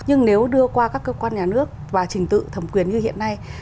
nhưng nếu đưa qua các cơ quan nhà nước và trình tự thẩm quyền như hiện nay